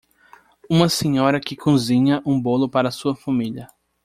Uma senhora que cozinha um bolo para sua família.